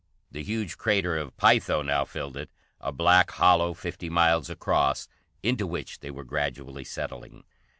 The huge Crater of Pytho now filled it, a black hollow fifty miles across, into which they were gradually settling.